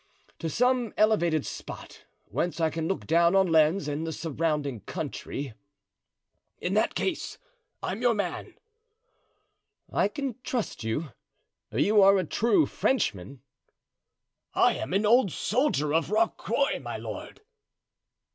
"To some elevated spot whence I can look down on Lens and the surrounding country——" "In that case, I'm your man." "I can trust you—you are a true Frenchman?" "I am an old soldier of Rocroy, my lord."